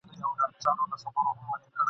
نه مېلې سته نه سازونه نه جشنونه !.